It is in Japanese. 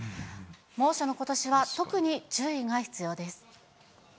猛暑のことしは特に注意が必要です。